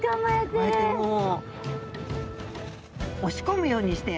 こうやってもう押し込むようにして。